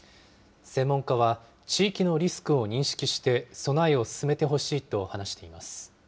専門家は、地域のリスクを認識して備えを進めてほしいと話しています。